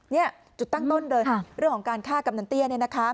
นี่จุดตั้งต้นเลยเรื่องของการฆ่ากำนันเตี้ย